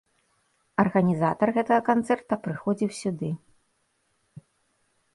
Арганізатар гэтага канцэрта прыходзіў сюды.